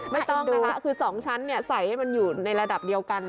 ไม่ต้องนะคะคือ๒ชั้นใส่ให้มันอยู่ในระดับเดียวกัน